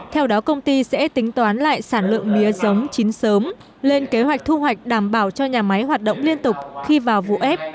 theo đó công ty sẽ tính toán lại sản lượng mía giống chín sớm lên kế hoạch thu hoạch đảm bảo cho nhà máy hoạt động liên tục khi vào vụ ép